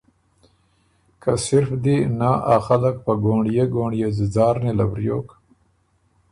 که صِرف دی نۀ ا خلق په ګونړيې ګونړيې ځُځار نېله وریوک